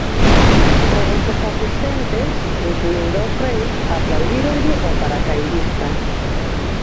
Todos os asistentes, incluíndo os reis, aplaudíronlle ao paracaidista.